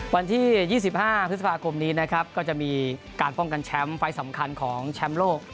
วันที่๒๕พฤษภาคมนี้นะครับก็จะมีการป้องกันแชมป์ไฟล์สำคัญของแชมป์โลก